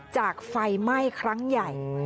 ไฟไหม้ครั้งใหญ่